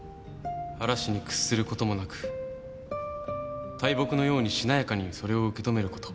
嵐に屈することもなく大木のようにしなやかにそれを受け止めること。